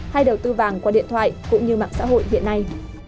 hay đầu tư vàng qua điện thoại cũng như mạng xã hội hiện nay